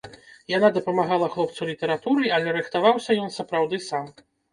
Яна дапамагала хлопцу літаратурай, але рыхтаваўся ён сапраўды сам.